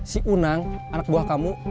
si unang anak buah kamu